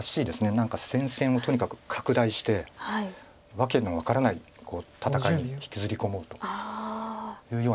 何か戦線をとにかく拡大して訳の分からない戦いに引きずり込もうというような感じです。